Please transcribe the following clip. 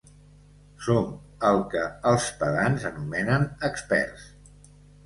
Som el que els pedants anomenen experts.